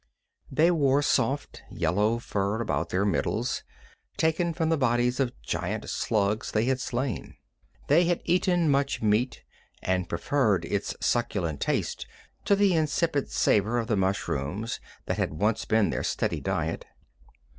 They wore soft, yellow fur about their middles, taken from the bodies of giant slugs they had slain. They had eaten much meat, and preferred its succulent taste to the insipid savor of the mushrooms that had once been their steady diet.